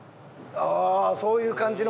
ああそういう感じの。